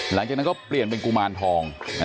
หลังจากนั้นก็เปลี่ยนเป็นกุมารทอง